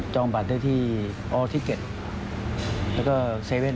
จองบัตรด้วยที่ออลทิเก็ตแล้วก็เซเว่น